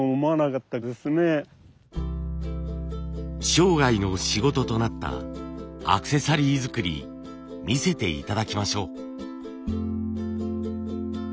生涯の仕事となったアクセサリー作り見せて頂きましょう。